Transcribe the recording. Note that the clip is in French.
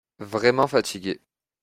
Vraiment fatigué.